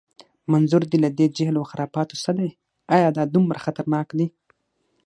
منظور دې له دې جهل و خرافاتو څه دی؟ ایا دا دومره خطرناک دي؟